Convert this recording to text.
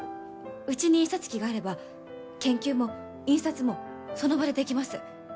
うちに印刷機があれば研究も印刷もその場でできます。